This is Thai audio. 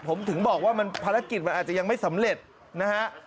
ผมถึงบอกว่ามันภารกิจมันอาจจะยังไม่สำเร็จนะฮะ